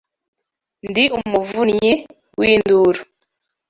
Ndi Umuvunyi w, induru :